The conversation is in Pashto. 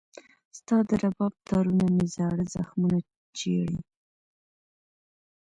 ستا د رباب تارونه مې زاړه زخمونه چېړي